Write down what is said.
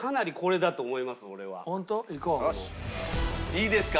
いいですか？